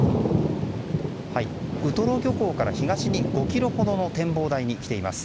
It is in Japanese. ウトロ漁港から東に５ｋｍほどの展望台に来ています。